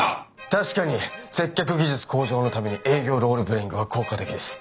確かに接客技術向上のために営業ロールプレイングは効果的です。